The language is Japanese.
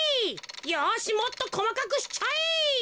よしもっとこまかくしちゃえ。